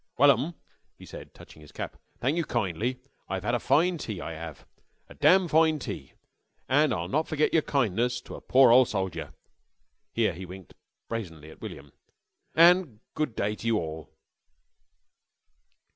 "Well 'm," he said, touching his cap. "Thank you kindly. I've 'ad a fine tea. I 'ave. A dam' fine tea. An' I'll not forget yer kindness to a pore ole soldier." Here he winked brazenly at William. "An' good day ter you orl."